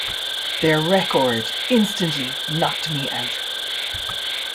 Their record instantly knocked me out.